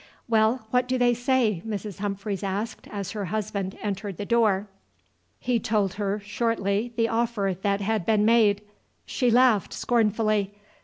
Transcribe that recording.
"Well, what do they say?" Mrs. Humphreys asked as her husband entered the door. He told her shortly the offer that had been made. She laughed scornfully.